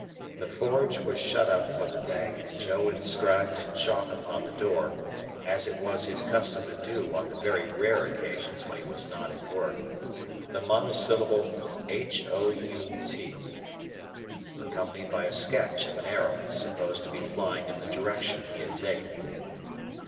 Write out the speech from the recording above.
The forge was shut up for the day, and Joe inscribed in chalk upon the door (as it was his custom to do on the very rare occasions when he was not at work) the monosyllable HOUT, accompanied by a sketch of an arrow supposed to be flying in the direction he had taken.